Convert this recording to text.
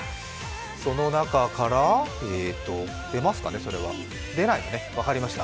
その中から出ますか、出ないのね、分かりました。